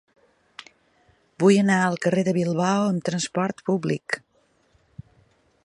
Vull anar al carrer de Bilbao amb trasport públic.